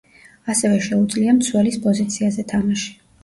ასევე შეუძლია მცველის პოზიციაზე თამაში.